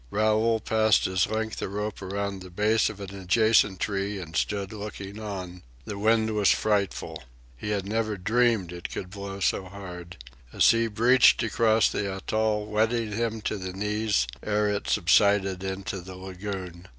Raoul passed his length of rope around the base of an adjacent tree and stood looking on. The wind was frightful. He had never dreamed it could blow so hard. A sea breached across the atoll, wetting him to the knees ere it subsided into the lagoon.